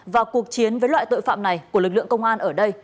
và cuộc chiến với loại tội phạm này của lực lượng công an ở đây